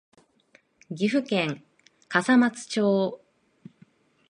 岐阜県笠松町